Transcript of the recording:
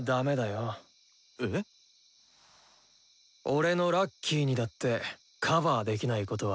俺のラッキーにだってカバーできないことはあるもの。